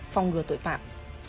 phong ngừa tội phạm